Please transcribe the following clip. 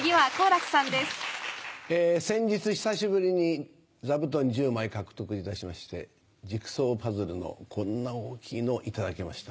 先日久しぶりに座布団１０枚獲得いたしましてジグソーパズルのこんな大きいのを頂きました。